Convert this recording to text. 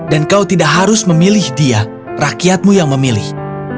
dan kau tidak harus memilih dia rakyatmu yang memilih